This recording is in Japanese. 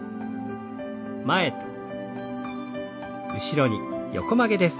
前と後ろに横曲げです。